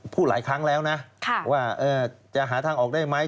พูดหลายครั้งแล้วนะว่าจะหาทางออกได้ไหม